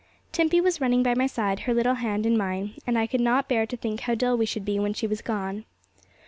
Timpey was running by my side, her little hand in mine, and I could not bear to think how dull we should be when she was gone.